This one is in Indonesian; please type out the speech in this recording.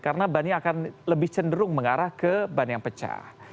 karena ban ini akan lebih cenderung mengarah ke ban yang pecah